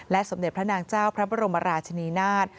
สมเด็จพระนางเจ้าพระบรมราชนีนาฏ